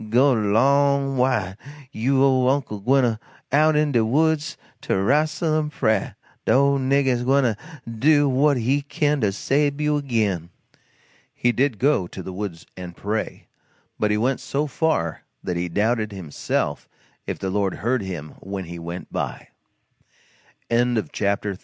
Go 'long wid you ole Uncle Daniel gwyne out in de woods to rastle in prah de ole nigger gwyne to do what he kin to sabe you agin." He did go to the woods and pray; but he went so far that he doubted, himself, if the Lord heard him when He went by. CHAPTER IV.